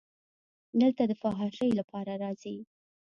دلته د فحاشۍ لپاره راځي.